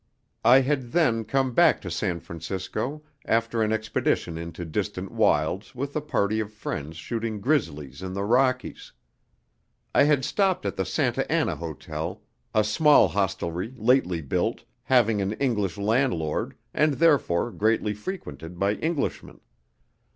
I had then come back to San Francisco after an expedition into distant wilds with a party of friends shooting grizzlies in the Rockies. I had stopped at the Santa Anna Hotel, a small hostelry lately built, having an English landlord, and therefore greatly frequented by Englishmen.